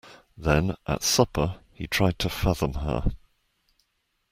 Then, and at supper, he tried to fathom her.